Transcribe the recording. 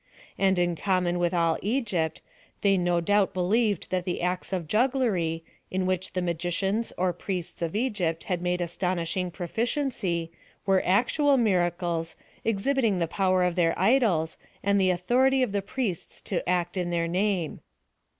And in common with all Egypt, they, no doubt, believed that the acts of jugglery, in which the magicians, or priests of Egypt had made astonishing proficiency, were actual miracles, exhibiting the power of their idols, and the authority of the priests to act in their name.